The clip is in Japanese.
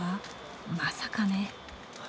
まさかね。